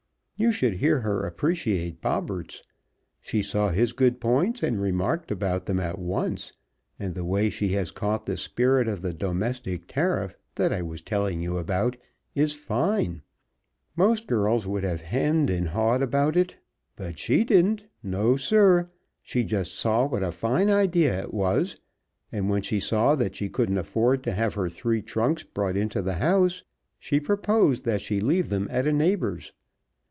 You should hear her appreciate Bobberts. She saw his good points, and remarked about them, at once, and the way she has caught the spirit of the Domestic Tariff that I was telling you about is fine! Most girls would have hemmed and hawed about it, but she didn't! No, sir! She just saw what a fine idea it was, and when she saw that she couldn't afford to have her three trunks brought into the house she proposed that she leave them at a neighbor's.